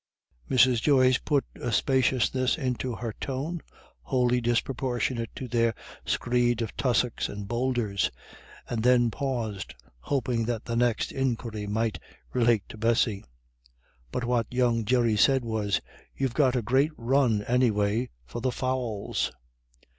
Mrs. Joyce put a spaciousness into her tone wholly disproportionate to their screed of tussocks and boulders; and then paused, hoping that the next inquiry might relate to Bessy. But what young Jerry said was, "You've got a great run, anyway, for the fowls."